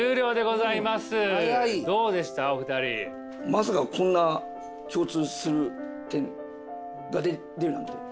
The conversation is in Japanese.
まさかこんな共通する点が出るなんて。